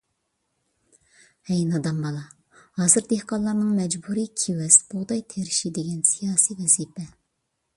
ھەي نادان بالا، ھازىر دېھقانلارنىڭ مەجبۇرىي كېۋەز، بۇغداي تېرىشى دېگەن سىياسىي ۋەزىپە.